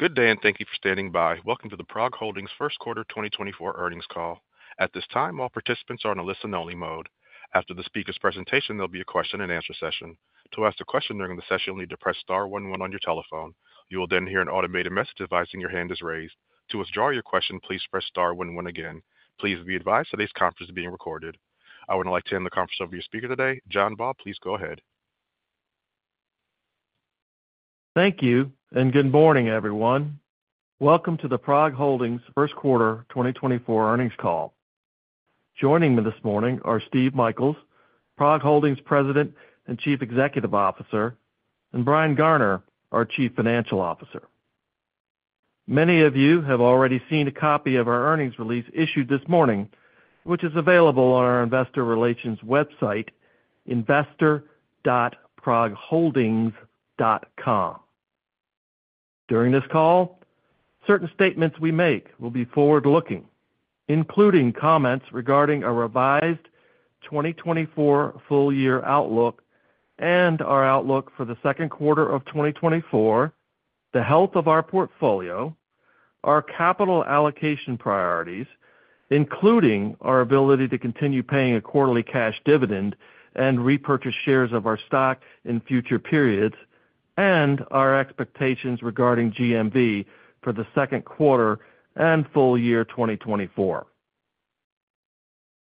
Good day and thank you for standing by. Welcome to the PROG Holdings' First Quarter 2024 Earnings Call. At this time, all participants are in a listen-only mode. After the speaker's presentation, there'll be a question-and-answer session. To ask a question during the session, you'll need to press star 11 on your telephone. You will then hear an automated message advising your hand is raised. To withdraw your question, please press star 11 again. Please be advised that this conference is being recorded. I would now like to hand the conference over to your speaker today. John Baugh, please go ahead. Thank you and good morning, everyone. Welcome to the PROG Holdings' First Quarter 2024 Earnings Call. Joining me this morning are Steve Michaels, PROG Holdings' President and Chief Executive Officer, and Brian Garner, our Chief Financial Officer. Many of you have already seen a copy of our earnings release issued this morning, which is available on our investor relations website, investor.progholdings.com. During this call, certain statements we make will be forward-looking, including comments regarding a revised 2024 full-year outlook and our outlook for the second quarter of 2024, the health of our portfolio, our capital allocation priorities, including our ability to continue paying a quarterly cash dividend and repurchase shares of our stock in future periods, and our expectations regarding GMV for the second quarter and full year 2024.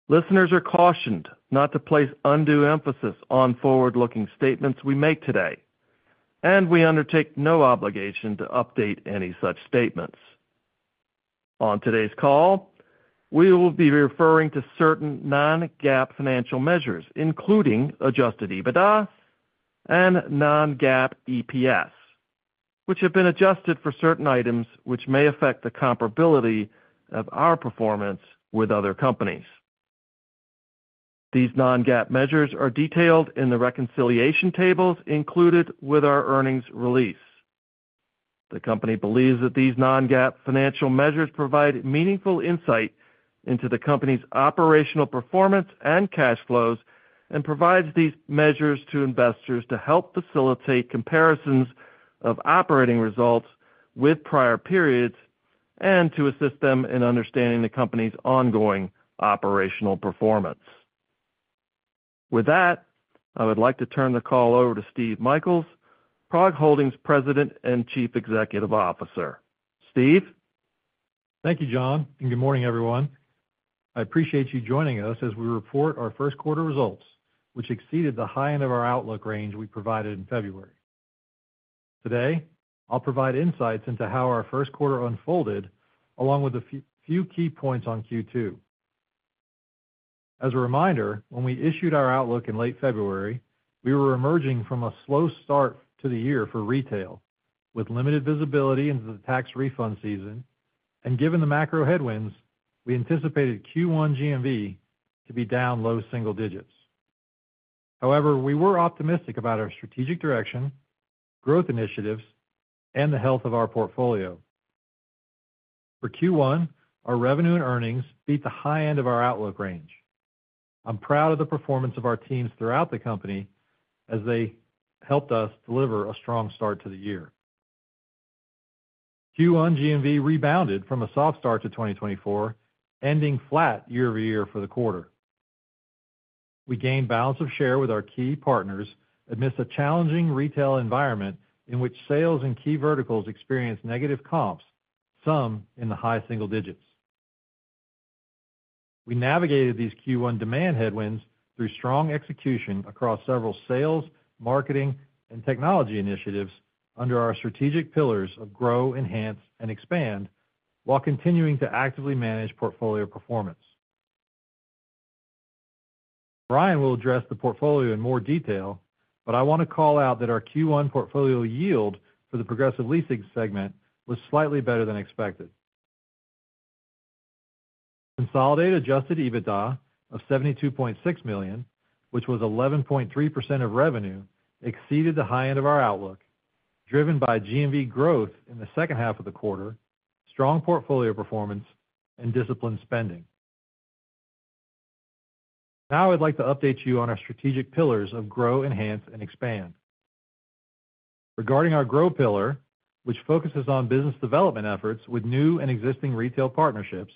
Listeners are cautioned not to place undue emphasis on forward-looking statements we make today, and we undertake no obligation to update any such statements. On today's call, we will be referring to certain non-GAAP financial measures, including adjusted EBITDA and non-GAAP EPS, which have been adjusted for certain items which may affect the comparability of our performance with other companies. These non-GAAP measures are detailed in the reconciliation tables included with our earnings release. The company believes that these non-GAAP financial measures provide meaningful insight into the company's operational performance and cash flows and provides these measures to investors to help facilitate comparisons of operating results with prior periods and to assist them in understanding the company's ongoing operational performance. With that, I would like to turn the call over to Steve Michaels, PROG Holdings' President and Chief Executive Officer. Steve. Thank you, John, and good morning, everyone. I appreciate you joining us as we report our first quarter results, which exceeded the high end of our outlook range we provided in February. Today, I'll provide insights into how our first quarter unfolded, along with a few key points on Q2. As a reminder, when we issued our outlook in late February, we were emerging from a slow start to the year for retail, with limited visibility into the tax refund season, and given the macro headwinds, we anticipated Q1 GMV to be down low single digits. However, we were optimistic about our strategic direction, growth initiatives, and the health of our portfolio. For Q1, our revenue and earnings beat the high end of our outlook range. I'm proud of the performance of our teams throughout the company as they helped us deliver a strong start to the year. Q1 GMV rebounded from a soft start to 2024, ending flat year-over-year for the quarter. We gained balance of share with our key partners amidst a challenging retail environment in which sales in key verticals experienced negative comps, some in the high single digits. We navigated these Q1 demand headwinds through strong execution across several sales, marketing, and technology initiatives under our strategic pillars of Grow, Enhance, and Expand while continuing to actively manage portfolio performance. Brian will address the portfolio in more detail, but I want to call out that our Q1 portfolio yield for the Progressive Leasing segment was slightly better than expected. Consolidated adjusted EBITDA of $72.6 million, which was 11.3% of revenue, exceeded the high end of our outlook, driven by GMV growth in the second half of the quarter, strong portfolio performance, and disciplined spending. Now I'd like to update you on our strategic pillars of Grow, Enhance, and Expand. Regarding our Grow pillar, which focuses on business development efforts with new and existing retail partnerships,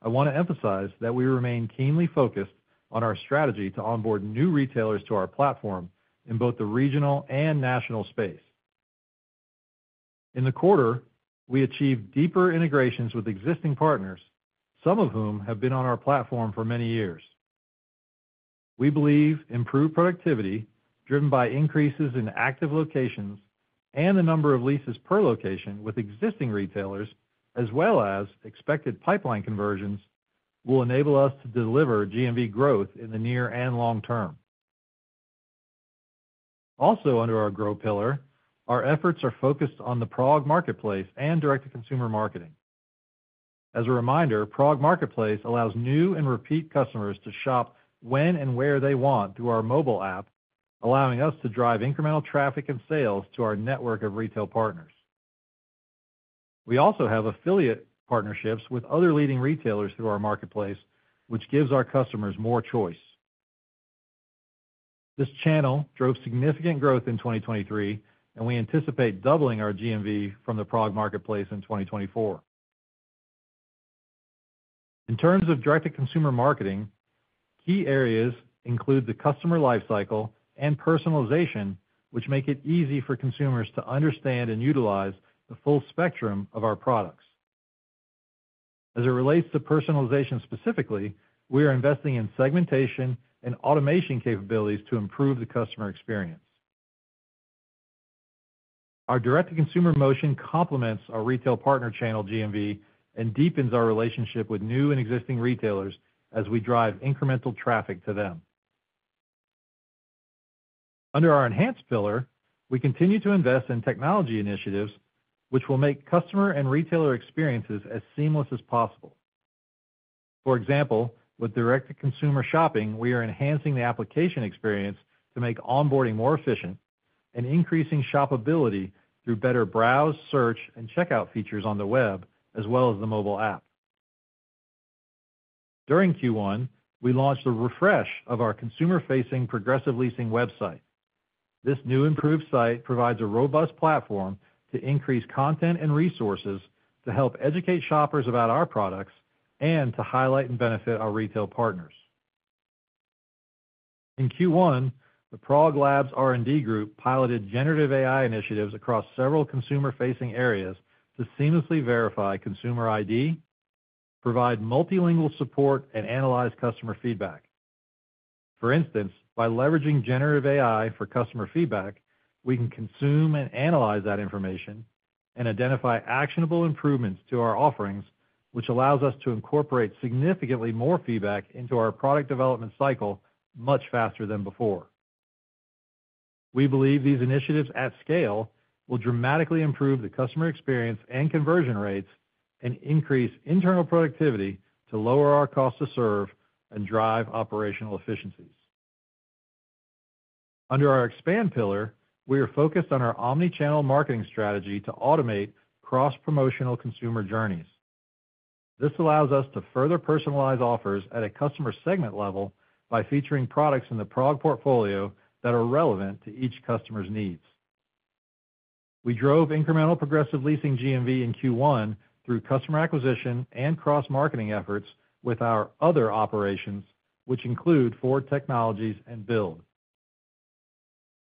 I want to emphasize that we remain keenly focused on our strategy to onboard new retailers to our platform in both the regional and national space. In the quarter, we achieved deeper integrations with existing partners, some of whom have been on our platform for many years. We believe improved productivity, driven by increases in active locations and the number of leases per location with existing retailers, as well as expected pipeline conversions, will enable us to deliver GMV growth in the near and long term. Also under our Grow pillar, our efforts are focused on the PROG Marketplace and direct-to-consumer marketing. As a reminder, PROG Marketplace allows new and repeat customers to shop when and where they want through our mobile app, allowing us to drive incremental traffic and sales to our network of retail partners. We also have affiliate partnerships with other leading retailers through our marketplace, which gives our customers more choice. This channel drove significant growth in 2023, and we anticipate doubling our GMV from the PROG Marketplace in 2024. In terms of direct-to-consumer marketing, key areas include the customer lifecycle and personalization, which make it easy for consumers to understand and utilize the full spectrum of our products. As it relates to personalization specifically, we are investing in segmentation and automation capabilities to improve the customer experience. Our direct-to-consumer motion complements our retail partner channel GMV and deepens our relationship with new and existing retailers as we drive incremental traffic to them. Under our Enhance pillar, we continue to invest in technology initiatives, which will make customer and retailer experiences as seamless as possible. For example, with direct-to-consumer shopping, we are enhancing the application experience to make onboarding more efficient and increasing shoppability through better browse, search, and checkout features on the web as well as the mobile app. During Q1, we launched a refresh of our consumer-facing Progressive Leasing website. This new improved site provides a robust platform to increase content and resources to help educate shoppers about our products and to highlight and benefit our retail partners. In Q1, the PROG Labs R&D group piloted generative AI initiatives across several consumer-facing areas to seamlessly verify consumer ID, provide multilingual support, and analyze customer feedback. For instance, by leveraging generative AI for customer feedback, we can consume and analyze that information and identify actionable improvements to our offerings, which allows us to incorporate significantly more feedback into our product development cycle much faster than before. We believe these initiatives at scale will dramatically improve the customer experience and conversion rates and increase internal productivity to lower our cost to serve and drive operational efficiencies. Under our Expand pillar, we are focused on our omnichannel marketing strategy to automate cross-promotional consumer journeys. This allows us to further personalize offers at a customer segment level by featuring products in the PROG portfolio that are relevant to each customer's needs. We drove incremental Progressive Leasing GMV in Q1 through customer acquisition and cross-marketing efforts with our other operations, which include Four Technologies and Build.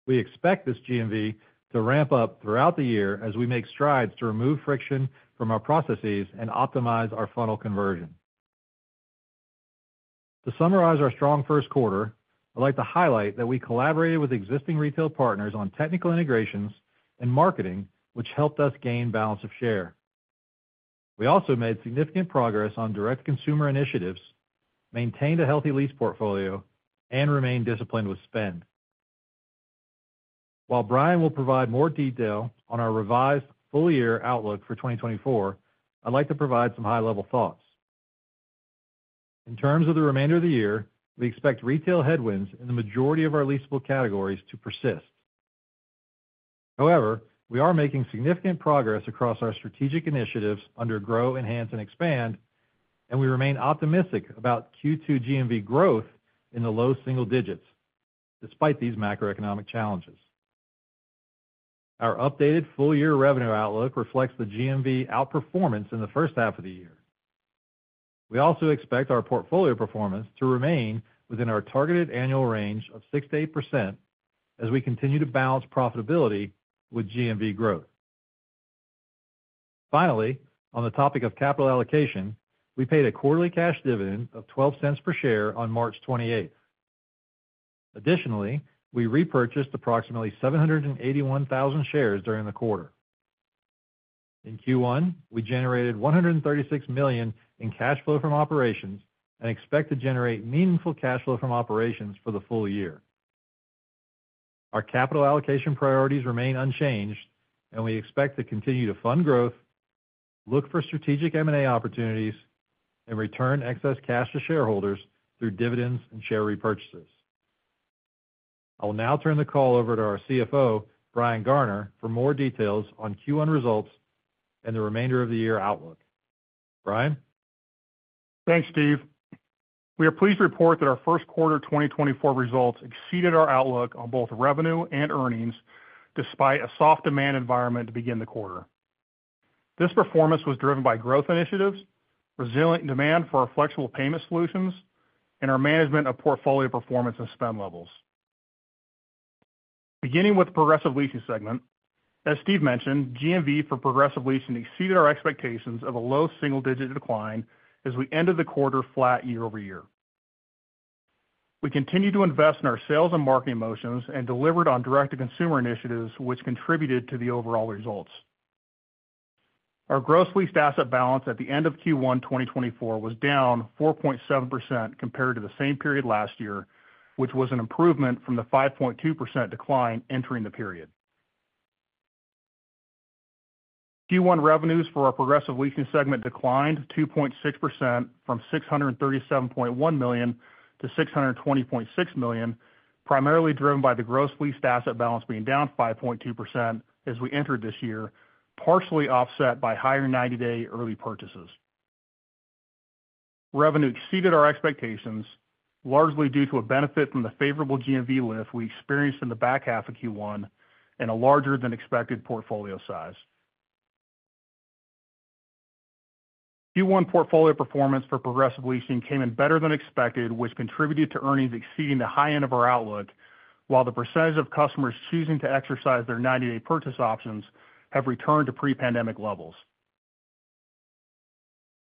We expect this GMV to ramp up throughout the year as we make strides to remove friction from our processes and optimize our funnel conversion. To summarize our strong first quarter, I'd like to highlight that we collaborated with existing retail partners on technical integrations and marketing, which helped us gain balance of share. We also made significant progress on direct-to-consumer initiatives, maintained a healthy lease portfolio, and remained disciplined with spend. While Brian will provide more detail on our revised full-year outlook for 2024, I'd like to provide some high-level thoughts. In terms of the remainder of the year, we expect retail headwinds in the majority of our leasable categories to persist. However, we are making significant progress across our strategic initiatives under Grow, Enhance, and Expand, and we remain optimistic about Q2 GMV growth in the low single digits despite these macroeconomic challenges. Our updated full-year revenue outlook reflects the GMV outperformance in the first half of the year. We also expect our portfolio performance to remain within our targeted annual range of 68% as we continue to balance profitability with GMV growth. Finally, on the topic of capital allocation, we paid a quarterly cash dividend of $0.12 per share on March 28th. Additionally, we repurchased approximately 781,000 shares during the quarter. In Q1, we generated $136 million in cash flow from operations and expect to generate meaningful cash flow from operations for the full year. Our capital allocation priorities remain unchanged, and we expect to continue to fund growth, look for strategic M&A opportunities, and return excess cash to shareholders through dividends and share repurchases. I will now turn the call over to our CFO, Brian Garner, for more details on Q1 results and the remainder of the year outlook. Brian? Thanks, Steve. We are pleased to report that our first quarter 2024 results exceeded our outlook on both revenue and earnings despite a soft demand environment to begin the quarter. This performance was driven by growth initiatives, resilient demand for our flexible payment solutions, and our management of portfolio performance and spend levels. Beginning with the Progressive Leasing segment, as Steve mentioned, GMV for Progressive Leasing exceeded our expectations of a low single-digit decline as we ended the quarter flat year-over-year. We continued to invest in our sales and marketing motions and delivered on direct-to-consumer initiatives, which contributed to the overall results. Our gross leased asset balance at the end of Q1 2024 was down 4.7% compared to the same period last year, which was an improvement from the 5.2% decline entering the period. Q1 revenues for our Progressive Leasing segment declined 2.6% from $637.1 million-$620.6 million, primarily driven by the gross leased asset balance being down 5.2% as we entered this year, partially offset by higher 90-day early purchases. Revenue exceeded our expectations, largely due to a benefit from the favorable GMV lift we experienced in the back half of Q1 and a larger than expected portfolio size. Q1 portfolio performance for Progressive Leasing came in better than expected, which contributed to earnings exceeding the high end of our outlook, while the percentage of customers choosing to exercise their 90-day purchase options have returned to pre-pandemic levels.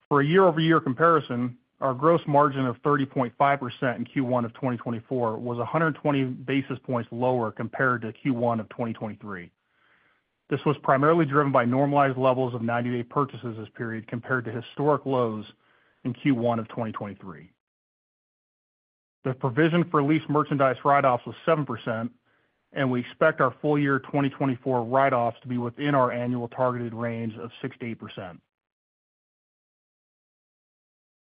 For a year-over-year comparison, our gross margin of 30.5% in Q1 of 2024 was 120 basis points lower compared to Q1 of 2023. This was primarily driven by normalized levels of 90-day purchases this period compared to historic lows in Q1 of 2023. The provision for leased merchandise write-offs was 7%, and we expect our full-year 2024 write-offs to be within our annual targeted range of 68%.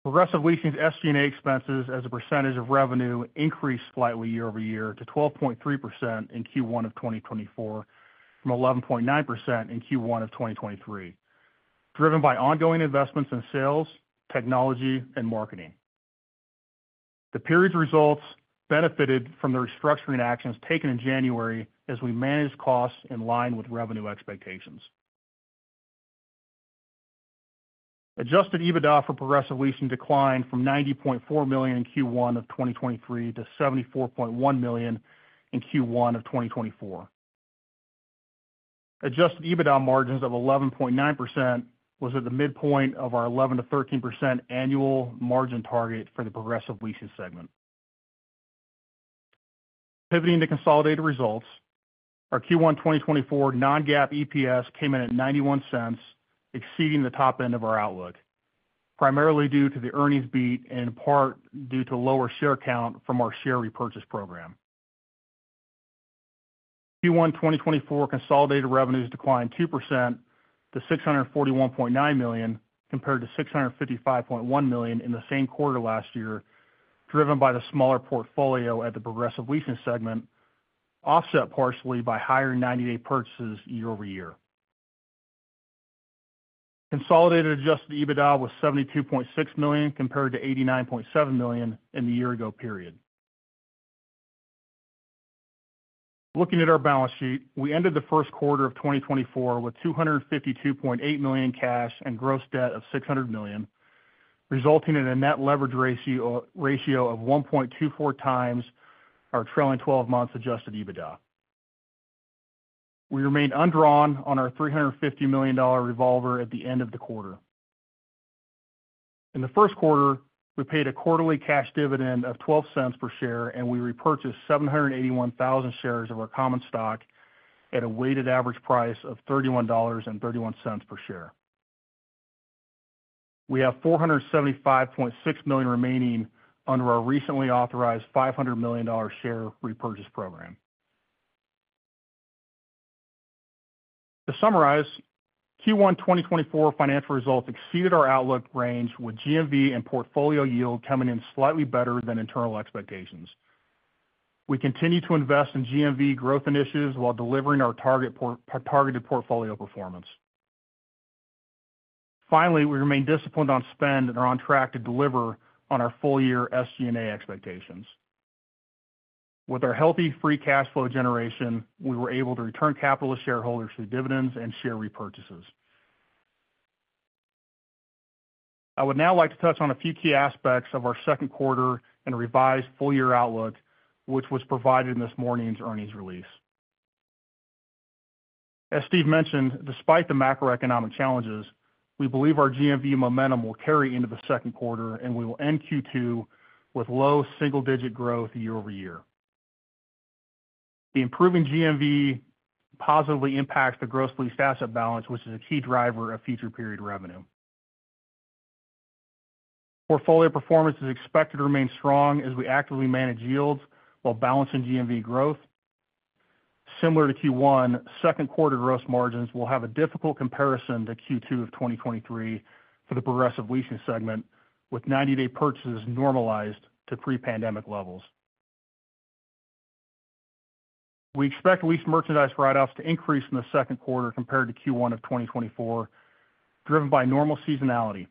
Progressive Leasing's SG&A expenses, as a percentage of revenue, increased slightly year-over-year to 12.3% in Q1 of 2024 from 11.9% in Q1 of 2023, driven by ongoing investments in sales, technology, and marketing. The period's results benefited from the restructuring actions taken in January as we managed costs in line with revenue expectations. Adjusted EBITDA for Progressive Leasing declined from $90.4 million in Q1 of 2023 to $74.1 million in Q1 of 2024. Adjusted EBITDA margins of 11.9% was at the midpoint of our 11%-13% annual margin target for the Progressive Leasing segment. Pivoting to consolidated results, our Q1 2024 Non-GAAP EPS came in at $0.91, exceeding the top end of our outlook, primarily due to the earnings beat and in part due to lower share count from our share repurchase program. Q1 2024 consolidated revenues declined 2% to $641.9 million compared to $655.1 million in the same quarter last year, driven by the smaller portfolio at the Progressive Leasing segment, offset partially by higher 90-day purchases year-over-year. Consolidated adjusted EBITDA was $72.6 million compared to $89.7 million in the year-ago period. Looking at our balance sheet, we ended the first quarter of 2024 with $252.8 million cash and gross debt of $600 million, resulting in a net leverage ratio of 1.24 times our trailing 12 months adjusted EBITDA. We remained undrawn on our $350 million revolver at the end of the quarter. In the first quarter, we paid a quarterly cash dividend of $0.12 per share, and we repurchased 781,000 shares of our common stock at a weighted average price of $31.31 per share. We have 475.6 million remaining under our recently authorized $500 million share repurchase program. To summarize, Q1 2024 financial results exceeded our outlook range, with GMV and portfolio yield coming in slightly better than internal expectations. We continue to invest in GMV growth initiatives while delivering our targeted portfolio performance. Finally, we remain disciplined on spend and are on track to deliver on our full-year SG&A expectations. With our healthy free cash flow generation, we were able to return capital to shareholders through dividends and share repurchases. I would now like to touch on a few key aspects of our second quarter and revised full-year outlook, which was provided in this morning's earnings release. As Steve mentioned, despite the macroeconomic challenges, we believe our GMV momentum will carry into the second quarter, and we will end Q2 with low single-digit growth year over year. The improving GMV positively impacts the gross leased asset balance, which is a key driver of future period revenue. Portfolio performance is expected to remain strong as we actively manage yields while balancing GMV growth. Similar to Q1, second quarter gross margins will have a difficult comparison to Q2 of 2023 for the Progressive Leasing segment, with 90-day purchases normalized to pre-pandemic levels. We expect leased merchandise write-offs to increase in the second quarter compared to Q1 of 2024, driven by normal seasonality.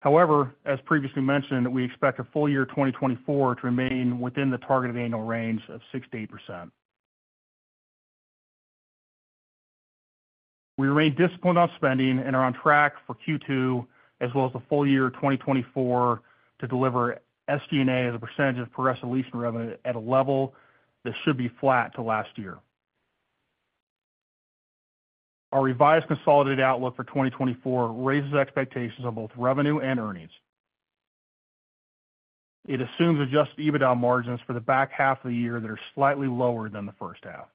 However, as previously mentioned, we expect a full year 2024 to remain within the targeted annual range of 68%. We remain disciplined on spending and are on track for Q2 as well as the full year 2024 to deliver SG&A as a percentage of Progressive Leasing revenue at a level that should be flat to last year. Our revised consolidated outlook for 2024 raises expectations on both revenue and earnings. It assumes adjusted EBITDA margins for the back half of the year that are slightly lower than the first half.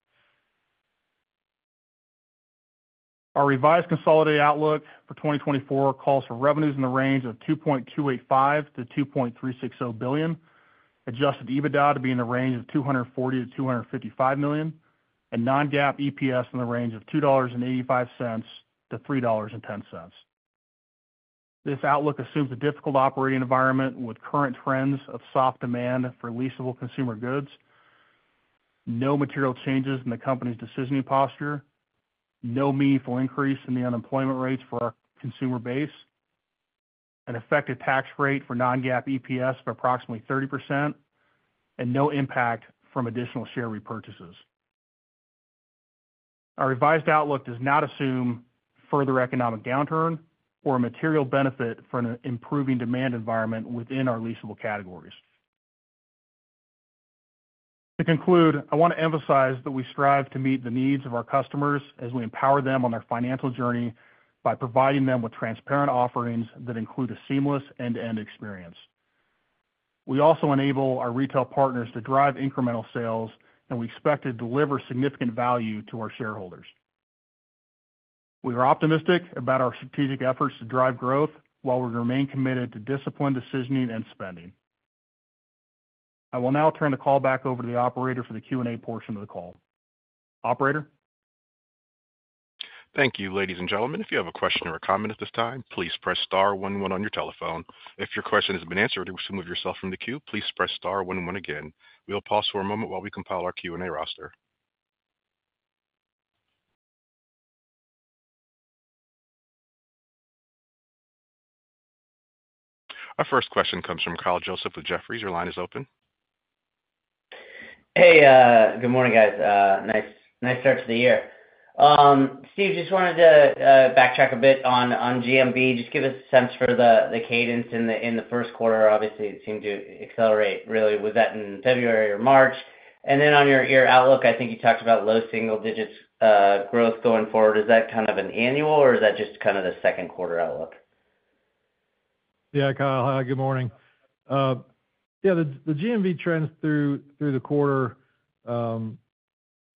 Our revised consolidated outlook for 2024 calls for revenues in the range of $2.285 billion-$2.360 billion, adjusted EBITDA to be in the range of $240 million-$255 million, and Non-GAAP EPS in the range of $2.85-$3.10. This outlook assumes a difficult operating environment with current trends of soft demand for leasable consumer goods, no material changes in the company's decisioning posture, no meaningful increase in the unemployment rates for our consumer base, an effective tax rate for Non-GAAP EPS of approximately 30%, and no impact from additional share repurchases. Our revised outlook does not assume further economic downturn or a material benefit for an improving demand environment within our leasable categories. To conclude, I want to emphasize that we strive to meet the needs of our customers as we empower them on their financial journey by providing them with transparent offerings that include a seamless end-to-end experience. We also enable our retail partners to drive incremental sales, and we expect to deliver significant value to our shareholders. We are optimistic about our strategic efforts to drive growth while we remain committed to disciplined decisioning and spending. I will now turn the call back over to the operator for the Q&A portion of the call. Operator? Thank you. Ladies and gentlemen, if you have a question or a comment at this time, please press star 11 on your telephone. If your question has been answered or you've removed yourself from the queue, please press star 11 again. We'll pause for a moment while we compile our Q&A roster. Our first question comes from Kyle Joseph with Jefferies. Your line is open. Hey, good morning, guys. Nice start to the year. Steve, just wanted to backtrack a bit on GMV. Just give us a sense for the cadence in the first quarter. Obviously, it seemed to accelerate, really. Was that in February or March? And then on your outlook, I think you talked about low single-digit growth going forward. Is that kind of an annual, or is that just kind of the second quarter outlook? Yeah, Kyle. Hi. Good morning. Yeah, the GMV trends through the quarter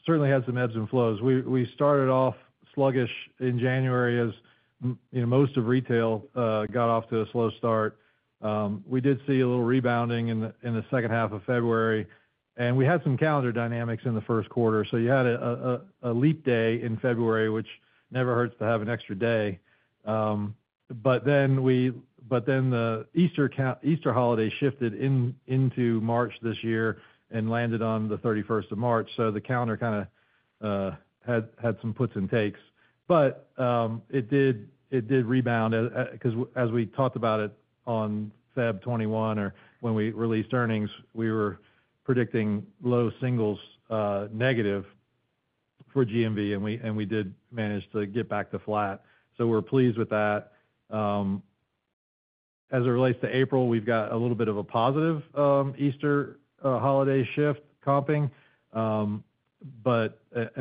certainly had some ebbs and flows. We started off sluggish in January as most of retail got off to a slow start. We did see a little rebounding in the second half of February, and we had some calendar dynamics in the first quarter. So you had a leap day in February, which never hurts to have an extra day. But then the Easter holiday shifted into March this year and landed on the 31st of March. So the calendar kind of had some puts and takes. But it did rebound because as we talked about it on February 21 or when we released earnings, we were predicting low singles negative for GMV, and we did manage to get back to flat. So we're pleased with that. As it relates to April, we've got a little bit of a positive Easter holiday shift comping, and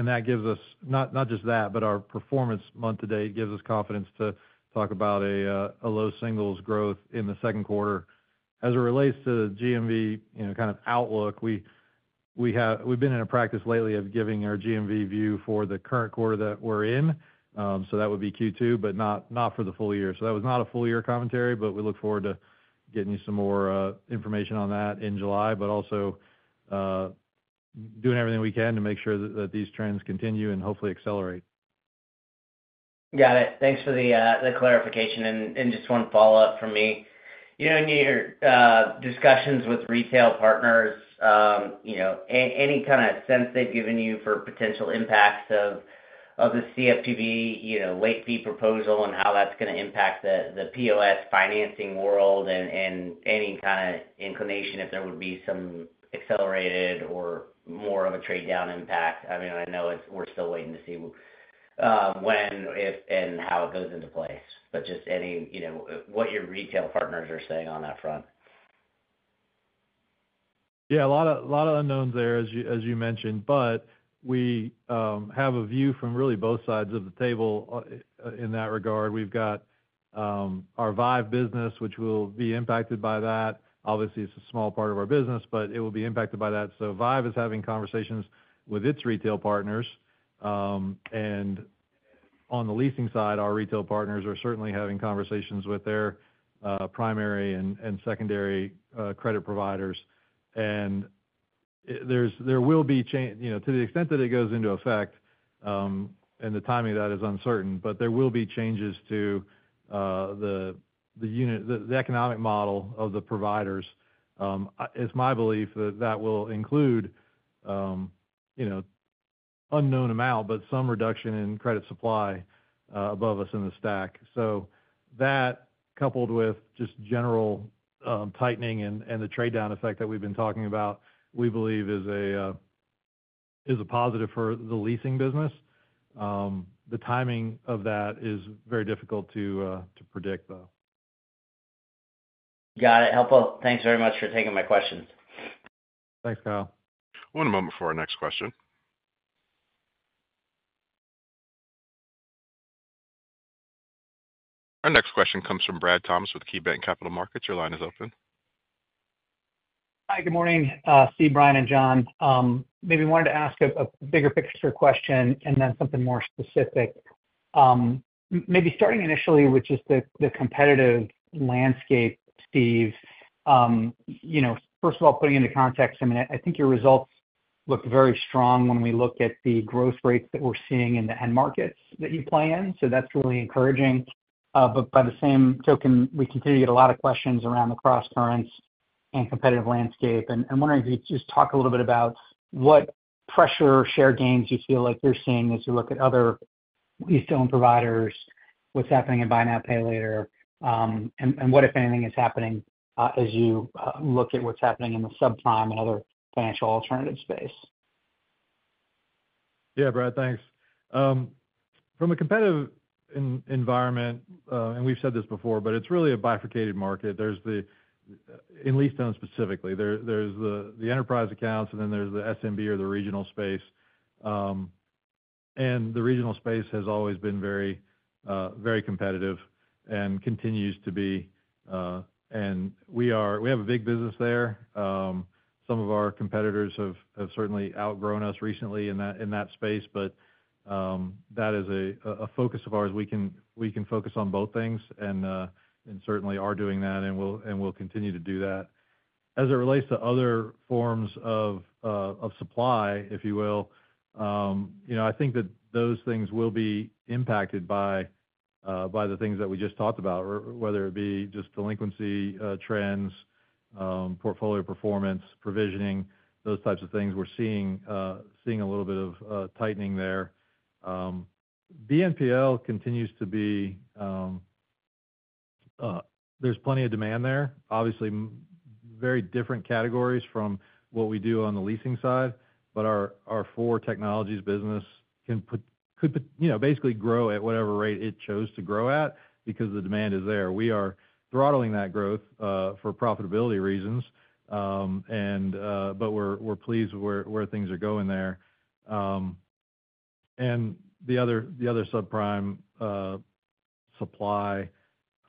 that gives us not just that, but our performance month-to-date gives us confidence to talk about a low singles growth in the second quarter. As it relates to the GMV kind of outlook, we've been in a practice lately of giving our GMV view for the current quarter that we're in. So that would be Q2, but not for the full year. So that was not a full-year commentary, but we look forward to getting you some more information on that in July, but also doing everything we can to make sure that these trends continue and hopefully accelerate. Got it. Thanks for the clarification. And just one follow-up from me. In your discussions with retail partners, any kind of sense they've given you for potential impacts of the CFPB late fee proposal and how that's going to impact the POS financing world and any kind of inclination if there would be some accelerated or more of a trade-down impact? I mean, I know we're still waiting to see when, if, and how it goes into place, but just what your retail partners are saying on that front. Yeah, a lot of unknowns there, as you mentioned. But we have a view from really both sides of the table in that regard. We've got our Vive business, which will be impacted by that. Obviously, it's a small part of our business, but it will be impacted by that. So Vive is having conversations with its retail partners. And on the leasing side, our retail partners are certainly having conversations with their primary and secondary credit providers. And there will be to the extent that it goes into effect, and the timing of that is uncertain, but there will be changes to the economic model of the providers. It's my belief that that will include an unknown amount, but some reduction in credit supply above us in the stack. So that, coupled with just general tightening and the trade-down effect that we've been talking about, we believe is a positive for the leasing business. The timing of that is very difficult to predict, though. Got it. Helpful. Thanks very much for taking my questions. Thanks, Kyle. One moment for our next question. Our next question comes from Brad Thomas with KeyBanc Capital Markets. Your line is open. Hi. Good morning, Steve, Brian, and John. Maybe I wanted to ask a bigger picture question and then something more specific. Maybe starting initially with just the competitive landscape, Steve. First of all, putting into context, I mean, I think your results looked very strong when we looked at the growth rates that we're seeing in the end markets that you play in. So that's really encouraging. But by the same token, we continue to get a lot of questions around the cross-currents and competitive landscape. And I'm wondering if you could just talk a little bit about what pressure share gains you feel like you're seeing as you look at other lease-to-own providers, what's happening in buy now, pay later, and what, if anything, is happening as you look at what's happening in the subprime and other financial alternative space. Yeah, Brad, thanks. From a competitive environment, and we've said this before, but it's really a bifurcated market. In lease-to-own specifically, there's the enterprise accounts, and then there's the SMB or the regional space. And the regional space has always been very competitive and continues to be. And we have a big business there. Some of our competitors have certainly outgrown us recently in that space, but that is a focus of ours. We can focus on both things and certainly are doing that, and we'll continue to do that. As it relates to other forms of supply, if you will, I think that those things will be impacted by the things that we just talked about, whether it be just delinquency trends, portfolio performance, provisioning, those types of things. We're seeing a little bit of tightening there. BNPL continues to be. There's plenty of demand there. Obviously, very different categories from what we do on the leasing side, but our core technologies business can basically grow at whatever rate it chose to grow at because the demand is there. We are throttling that growth for profitability reasons, but we're pleased where things are going there. And the other subprime supply,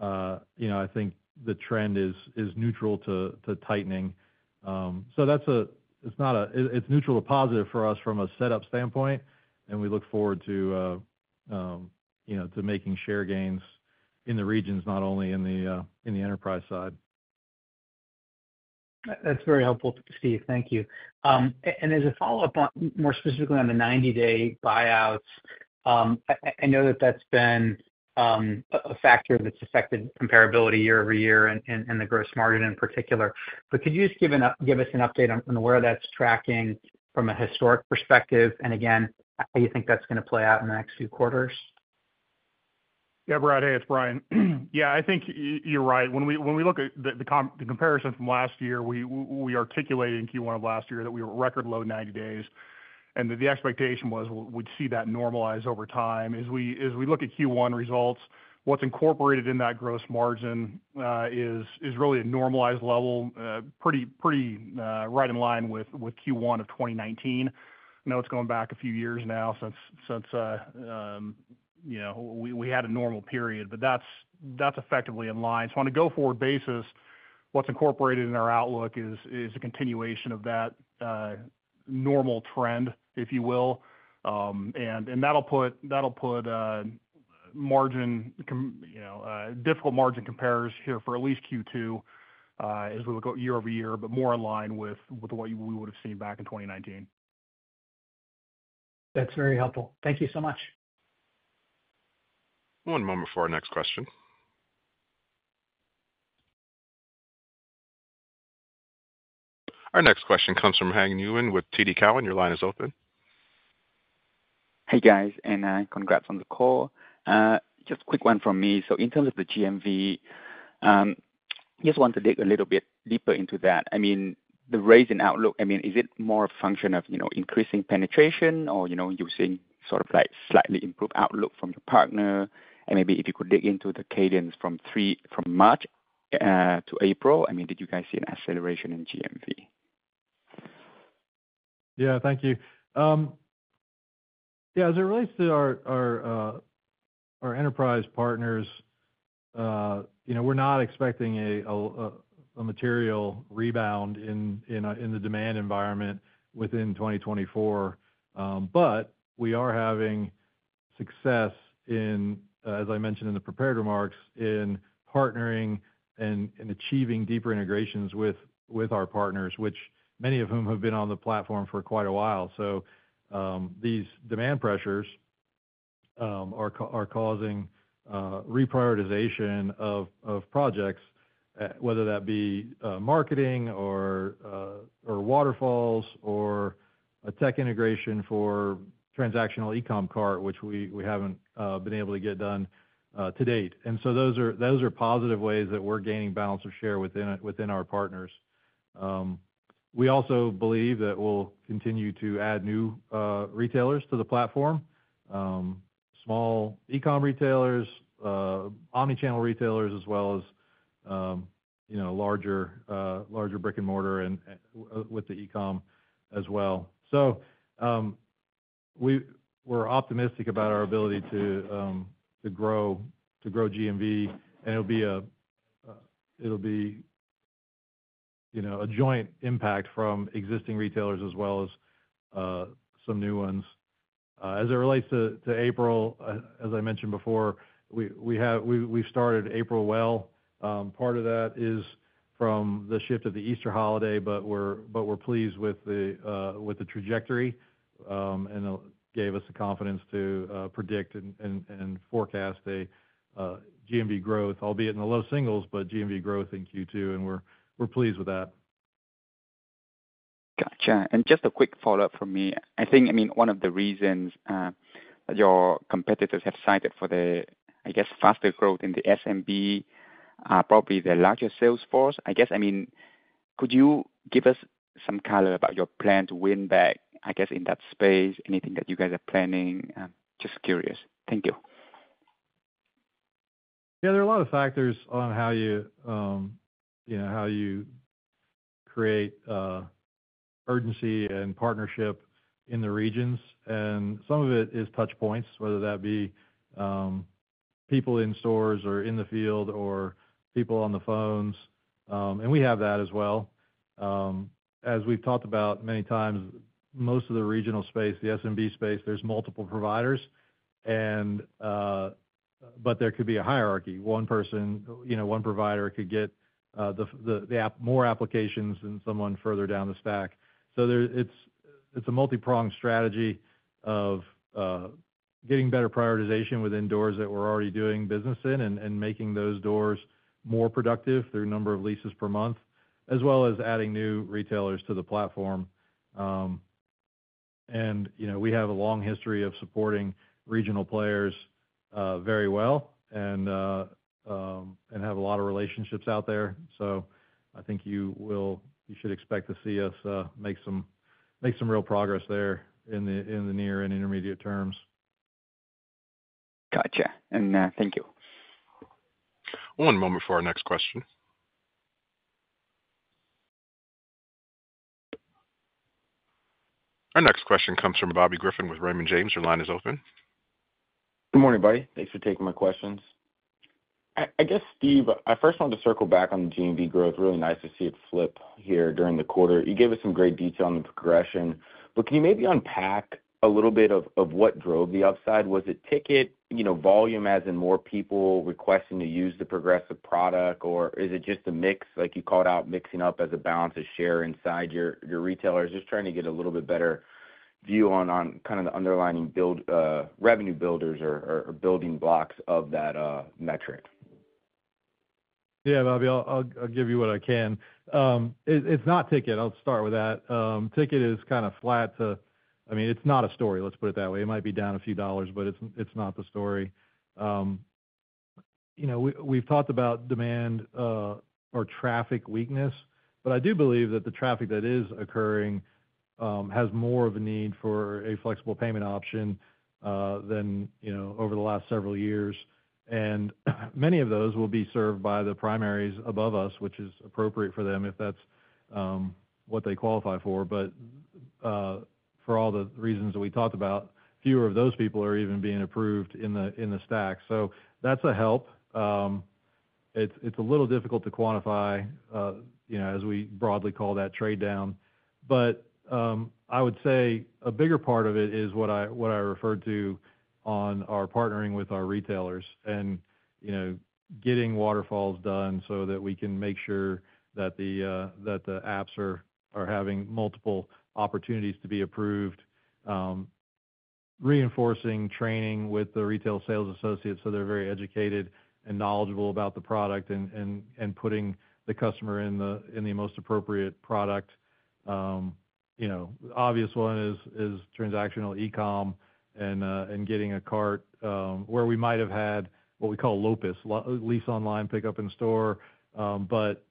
I think the trend is neutral to tightening. So it's neutral to positive for us from a setup standpoint, and we look forward to making share gains in the regions, not only in the enterprise side. That's very helpful, Steve. Thank you. And as a follow-up, more specifically on the 90-day buyouts, I know that that's been a factor that's affected comparability year-over-year and the gross margin in particular. But could you just give us an update on where that's tracking from a historic perspective? And again, how do you think that's going to play out in the next few quarters? Yeah, Brad. Hey, it's Brian. Yeah, I think you're right. When we look at the comparison from last year, we articulated in Q1 of last year that we were record low 90 days. And the expectation was we'd see that normalize over time. As we look at Q1 results, what's incorporated in that gross margin is really a normalized level, pretty right in line with Q1 of 2019. I know it's going back a few years now since we had a normal period, but that's effectively in line. So on a go forward basis, what's incorporated in our outlook is a continuation of that normal trend, if you will. And that'll put difficult margin compares here for at least Q2 as we look year-over-year, but more in line with what we would have seen back in 2019. That's very helpful. Thank you so much. One moment for our next question. Our next question comes from Hoang Nguyen with TD Cowen. Your line is open. Hey, guys, and congrats on the call. Just quick one from me. So in terms of the GMV, I just want to dig a little bit deeper into that. I mean, the raised outlook, I mean, is it more a function of increasing penetration or you're seeing sort of slightly improved outlook from your partner? And maybe if you could dig into the cadence from March to April, I mean, did you guys see an acceleration in GMV? Yeah, thank you. Yeah, as it relates to our enterprise partners, we're not expecting a material rebound in the demand environment within 2024. But we are having success, as I mentioned in the prepared remarks, in partnering and achieving deeper integrations with our partners, many of whom have been on the platform for quite a while. So these demand pressures are causing reprioritization of projects, whether that be marketing or waterfalls or a tech integration for transactional e-comm cart, which we haven't been able to get done to date. And so those are positive ways that we're gaining balance of share within our partners. We also believe that we'll continue to add new retailers to the platform, small e-comm retailers, omnichannel retailers, as well as larger brick-and-mortar with the e-comm as well. So we're optimistic about our ability to grow GMV, and it'll be a joint impact from existing retailers as well as some new ones. As it relates to April, as I mentioned before, we've started April well. Part of that is from the shift of the Easter holiday, but we're pleased with the trajectory and it gave us the confidence to predict and forecast a GMV growth, albeit in the low singles, but GMV growth in Q2. And we're pleased with that. Gotcha. Just a quick follow-up from me. I think, I mean, one of the reasons that your competitors have cited for the, I guess, faster growth in the SMB, probably the larger sales force, I guess, I mean, could you give us some color about your plan to win back, I guess, in that space, anything that you guys are planning? Just curious. Thank you. Yeah, there are a lot of factors on how you create urgency and partnership in the regions. Some of it is touchpoints, whether that be people in stores or in the field or people on the phones. We have that as well. As we've talked about many times, most of the regional space, the SMB space, there's multiple providers, but there could be a hierarchy. One provider could get more applications than someone further down the stack. It's a multipronged strategy of getting better prioritization within doors that we're already doing business in and making those doors more productive through a number of leases per month, as well as adding new retailers to the platform. We have a long history of supporting regional players very well and have a lot of relationships out there. I think you should expect to see us make some real progress there in the near and intermediate terms. Gotcha. And thank you. One moment for our next question. Our next question comes from Bobby Griffin with Raymond James. Your line is open. Good morning, buddy. Thanks for taking my questions. I guess, Steve, I first wanted to circle back on the GMV growth. Really nice to see it flip here during the quarter. You gave us some great detail on the progression. But can you maybe unpack a little bit of what drove the upside? Was it ticket volume, as in more people requesting to use the Progressive product, or is it just a mix, like you called out, mixing up as a balance of share inside your retailers? Just trying to get a little bit better view on kind of the underlying revenue builders or building blocks of that metric. Yeah, Bobby, I'll give you what I can. It's not ticket. I'll start with that. Ticket is kind of flat to, I mean, it's not a story, let's put it that way. It might be down a few dollars, but it's not the story. We've talked about demand or traffic weakness, but I do believe that the traffic that is occurring has more of a need for a flexible payment option than over the last several years. And many of those will be served by the primaries above us, which is appropriate for them if that's what they qualify for. But for all the reasons that we talked about, fewer of those people are even being approved in the stack. So that's a help. It's a little difficult to quantify, as we broadly call that trade-down. But I would say a bigger part of it is what I referred to on our partnering with our retailers and getting waterfalls done so that we can make sure that the apps are having multiple opportunities to be approved, reinforcing training with the retail sales associates so they're very educated and knowledgeable about the product, and putting the customer in the most appropriate product. The obvious one is transactional e-comm and getting a cart where we might have had what we call LOPIS, lease online, pickup in store. But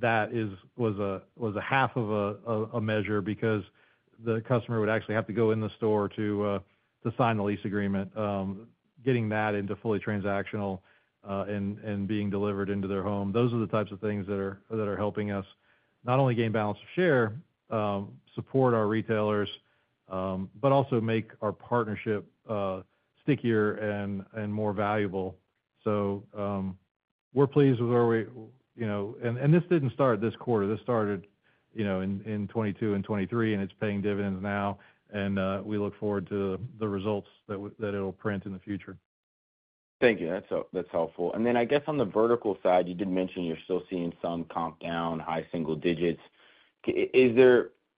that was half of a measure because the customer would actually have to go in the store to sign the lease agreement. Getting that into fully transactional and being delivered into their home, those are the types of things that are helping us not only gain balance of share, support our retailers, but also make our partnership stickier and more valuable. So we're pleased with where we and this didn't start this quarter. This started in 2022 and 2023, and it's paying dividends now. We look forward to the results that it'll print in the future. Thank you. That's helpful. And then I guess on the vertical side, you did mention you're still seeing some compound high single digits.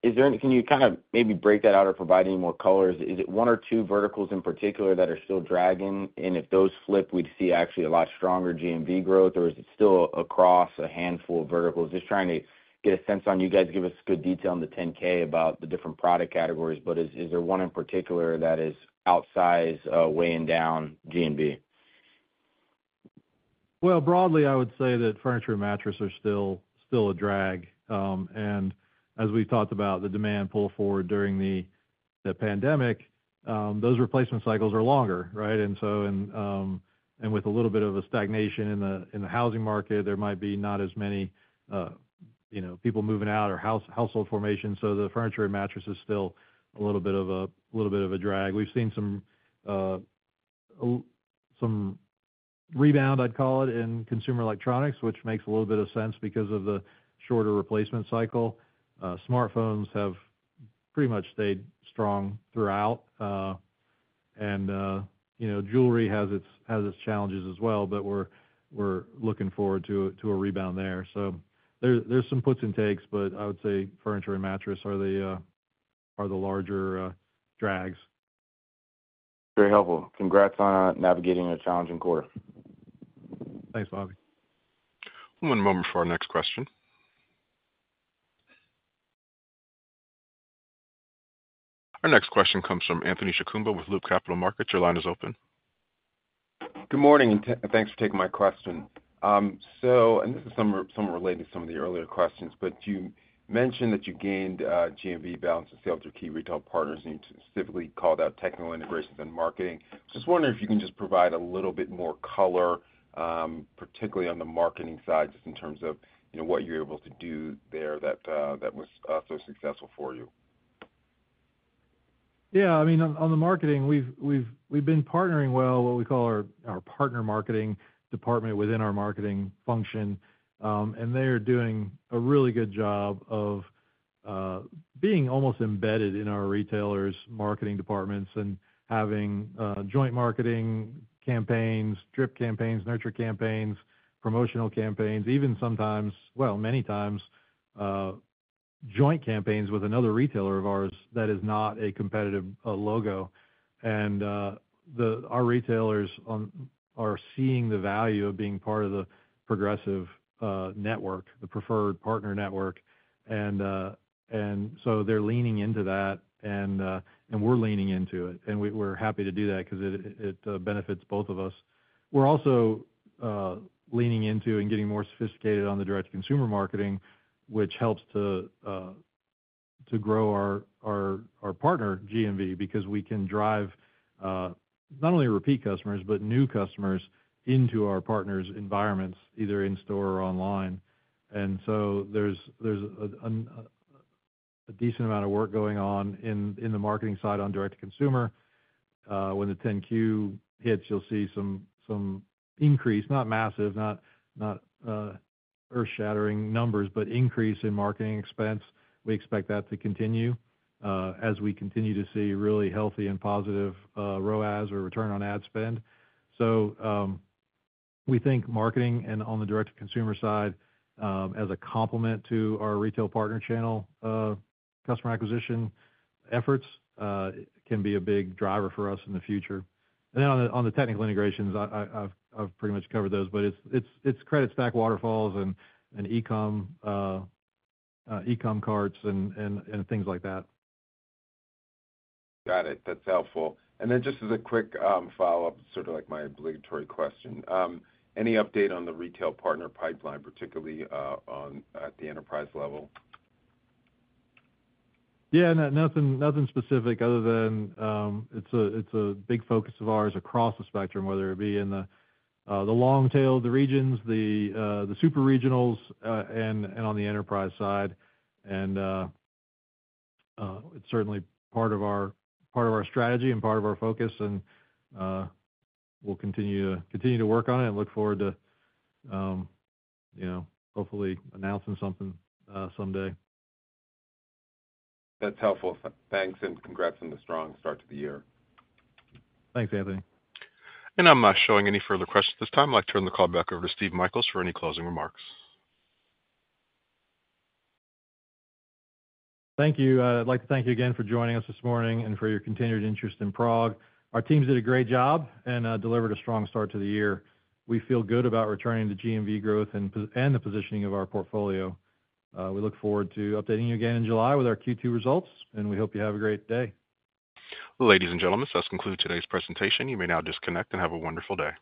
Can you kind of maybe break that out or provide any more colors? Is it one or two verticals in particular that are still dragging? And if those flip, we'd see actually a lot stronger GMV growth, or is it still across a handful of verticals? Just trying to get a sense on you guys give us good detail in the 10-K about the different product categories, but is there one in particular that is outsized, weighing down GMV? Well, broadly, I would say that furniture and mattress are still a drag. And as we've talked about, the demand pull forward during the pandemic, those replacement cycles are longer, right? And so with a little bit of a stagnation in the housing market, there might be not as many people moving out or household formations. So the furniture and mattress is still a little bit of a little bit of a drag. We've seen some rebound, I'd call it, in consumer electronics, which makes a little bit of sense because of the shorter replacement cycle. Smartphones have pretty much stayed strong throughout. And jewelry has its challenges as well, but we're looking forward to a rebound there. So there's some puts and takes, but I would say furniture and mattress are the larger drags. Very helpful. Congrats on navigating a challenging quarter. Thanks, Bobby. One moment for our next question. Our next question comes from Anthony Chukumba with Loop Capital Markets. Your line is open. Good morning and thanks for taking my question. This is somewhat related to some of the earlier questions, but you mentioned that you gained GMV balance of share through key retail partners, and you specifically called out technical integrations and marketing. Just wondering if you can just provide a little bit more color, particularly on the marketing side, just in terms of what you're able to do there that was so successful for you. Yeah, I mean, on the marketing, we've been partnering well, what we call our partner marketing department within our marketing function. And they are doing a really good job of being almost embedded in our retailers' marketing departments and having joint marketing campaigns, drip campaigns, nurture campaigns, promotional campaigns, even sometimes, well, many times, joint campaigns with another retailer of ours that is not a competitive logo. And our retailers are seeing the value of being part of the Progressive network, the preferred partner network. And so they're leaning into that, and we're leaning into it. And we're happy to do that because it benefits both of us. We're also leaning into and getting more sophisticated on the direct-to-consumer marketing, which helps to grow our partner, GMV, because we can drive not only repeat customers, but new customers into our partners' environments, either in-store or online. And so there's a decent amount of work going on in the marketing side on direct-to-consumer. When the 10-Q hits, you'll see some increase, not massive, not earth-shattering numbers, but increase in marketing expense. We expect that to continue as we continue to see really healthy and positive ROAS or return on ad spend. So we think marketing and on the direct-to-consumer side, as a complement to our retail partner channel customer acquisition efforts, can be a big driver for us in the future. And then on the technical integrations, I've pretty much covered those, but it's credit stack waterfalls and e-comm carts and things like that. Got it. That's helpful. And then just as a quick follow-up, sort of like my obligatory question, any update on the retail partner pipeline, particularly at the enterprise level? Yeah, nothing specific other than it's a big focus of ours across the spectrum, whether it be in the long tail, the regions, the super regionals, and on the enterprise side. And it's certainly part of our strategy and part of our focus. And we'll continue to work on it and look forward to hopefully announcing something someday. That's helpful. Thanks and congrats on the strong start to the year. Thanks, Anthony. I'm not showing any further questions at this time. I'd like to turn the call back over to Steve Michaels for any closing remarks. Thank you. I'd like to thank you again for joining us this morning and for your continued interest in PROG. Our teams did a great job and delivered a strong start to the year. We feel good about returning to GMV growth and the positioning of our portfolio. We look forward to updating you again in July with our Q2 results, and we hope you have a great day. Ladies and gentlemen, that's concluded today's presentation. You may now disconnect and have a wonderful day.